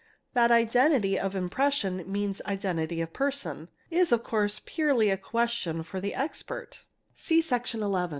That identity of impression means identity of pena of course purely a question for the expert (see Sec.